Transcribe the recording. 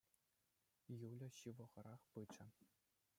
Юля ҫывӑхарах пычӗ.